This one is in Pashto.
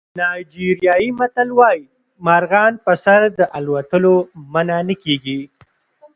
نایجریایي متل وایي مرغان په سر د الوتلو منع نه کېږي.